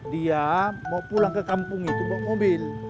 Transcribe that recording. dia mau pulang ke kampung itu bawa mobil